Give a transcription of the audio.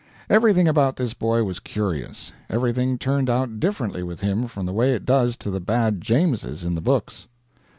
Everything about this boy was curious everything turned out differently with him from the way it does to the bad Jameses in the books.